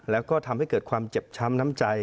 แล้วก็ทำให้เกิดความเจ็บช้ำน้ำใจ